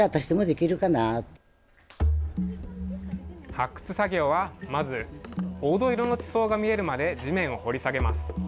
発掘作業はまず、黄土色の地層が見えるまで地面を掘り下げます。